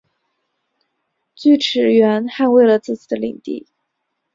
锯齿螈捍卫了自己的领地。